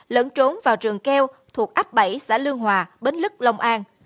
lẫn trốn vào rừng keo thuộc áp bảy xã lương hòa bến lức lông an